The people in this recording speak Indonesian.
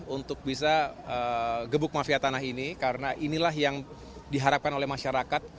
untuk bisa gebuk mafia tanah ini karena inilah yang diharapkan oleh masyarakat